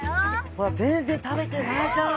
ほら全然食べてないじゃん。